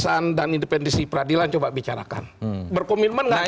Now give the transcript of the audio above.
kita akan independisi peradilan coba bicarakan berkomitmen nggak